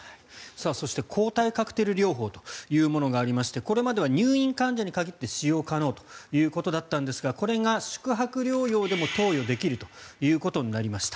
そして、抗体カクテル療法というものがありましてこれまでは入院患者に限って使用可能だったんですがこれが宿泊療養でも投与できるということになりました。